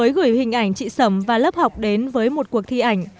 bởi dù mới gửi hình ảnh chị sầm và lớp học đến với một cuộc thi ảnh